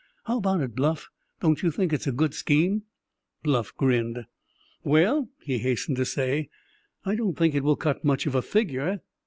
How about it, Bluff; don't you think it's a good scheme?" Bluff grinned. "Well," he hastened to say, "I don't think it will cut much of a figure.